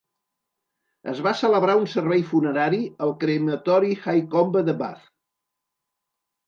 Es va celebrar un servei funerari al crematori Haycombe de Bath.